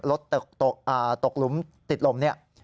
รถตกหลุมติดลมเนี่ย